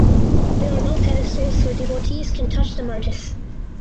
There are no pedestals so devotees can touch the Murtis.